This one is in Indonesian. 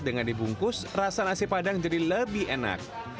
dengan dibungkus rasa nasi padang jadi lebih enak